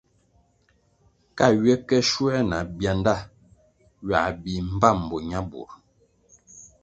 Ka ywe ke shuoē na byanda, ywā bih mbpám bo ñabur.